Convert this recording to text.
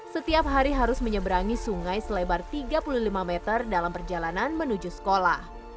setiap hari harus menyeberangi sungai selebar tiga puluh lima meter dalam perjalanan menuju sekolah